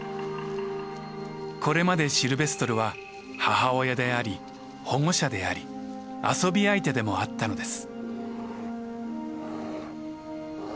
これまでシルベストルは母親であり保護者であり遊び相手でもあったのです。